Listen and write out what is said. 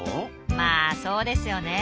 まあそうですよね。